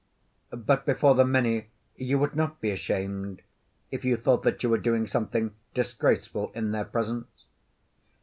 But before the many you would not be ashamed, if you thought that you were doing something disgraceful in their presence?